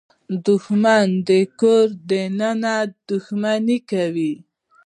دښمن د کور دننه دښمني کوي